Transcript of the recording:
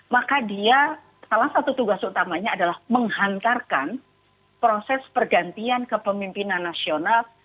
maka dia salah satu tugas utamanya adalah menghantarkan proses pergantian kepemimpinan nasional